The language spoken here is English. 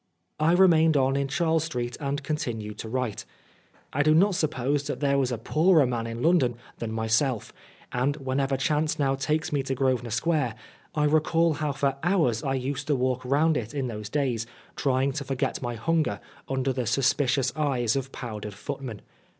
I remained on in Charles Street and continued to write. I do not suppose that there was a poorer man in London than my self ; and whenever chance now takes me to Grosvenor Square, I recall how for hours I used to walk round it in those days, trying to forget my hunger under the suspicious eyes of powdered footmen.